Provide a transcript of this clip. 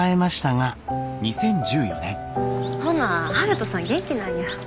ほな悠人さん元気なんや。